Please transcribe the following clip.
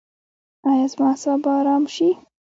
ایا زما اعصاب به ارام شي؟